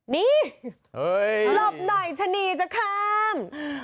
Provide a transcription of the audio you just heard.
นี่หลบหน่อยชะนีจะข้าม